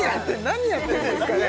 何やってんですかね